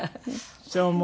そう思う。